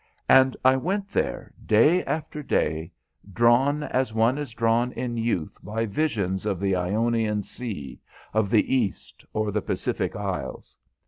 And I went there day after day, drawn as one is drawn in youth by visions of the Ionian Sea, of the East, or the Pacific Isles.